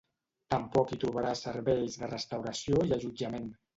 Tampoc hi trobaràs serveis de restauració i allotjament.